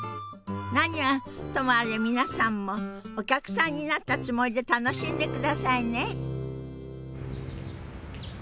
何はともあれ皆さんもお客さんになったつもりで楽しんでくださいね。